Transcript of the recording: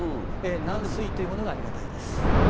軟水というものがありがたいです。